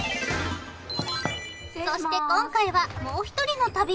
そして今回はもう一人の旅人が